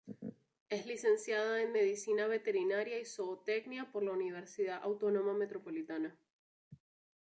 Es licenciada en Medicina Veterinaria y Zootecnia por la Universidad Autónoma Metropolitana.